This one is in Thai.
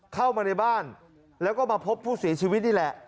เข้ามาในบ้านแล้วก็มาพบผู้เสียชีวิตนี่แหละ